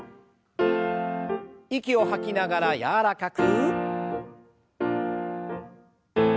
息を吐きながら柔らかく。